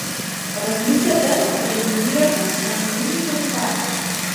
Размислете за елиминирање на анонимни коментари.